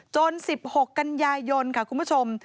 ๑๖กันยายนค่ะคุณผู้ชม